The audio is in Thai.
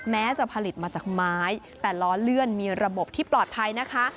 แม้จะผลิตมาจากไม้แต่ล้อเลื่อนมีระบบที่ปลอดภัยนะคะ